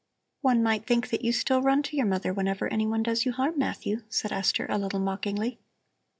"One might think that you still run to your mother whenever anyone does you harm, Matthew," said Esther, a little mockingly.